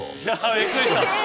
びっくりした！